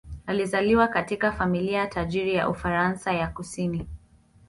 Alizaliwa katika familia tajiri ya Ufaransa ya kusini.